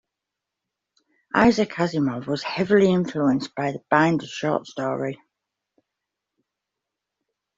Isaac Asimov was heavily influenced by the Binder short story.